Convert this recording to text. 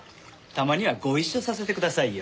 たまにはご一緒させてくださいよ。